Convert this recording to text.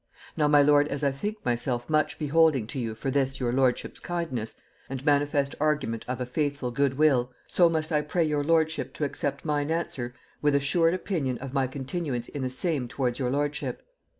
Now, my lord, as I think myself much beholding to you for this your lordship's kindness, and manifest argument of a faithful good will, so must I pray your lordship to accept mine answer, with assured opinion of my continuance in the same towards your lordship.